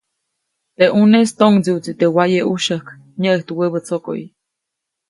Teʼ ʼuneʼis toʼŋdsiʼuʼtsi teʼ waye ʼujsyäjk, nyäʼijtu wäbä tsokoʼy.